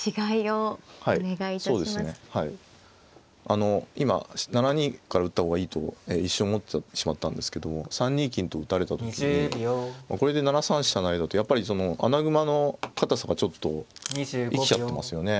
あの今７二から打った方がいいと一瞬思ってしまったんですけども３二金と打たれた時にこれで７三飛車成だとやっぱり穴熊の堅さがちょっと生きちゃってますよね。